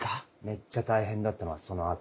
めっちゃ大変だったのはその後。